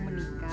aku pun tak bisa